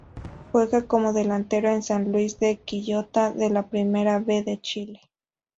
Juega como delantero en San Luis de Quillota de la Primera B de Chile.